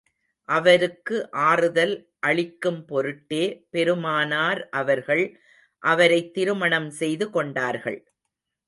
அவருக்கு ஆறுதல் அளிக்கும் பொருட்டே, பெருமானார் அவர்கள், அவரைத் திருமணம் செய்து கொண்டார்கள்.